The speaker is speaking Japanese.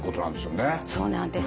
そうなんです。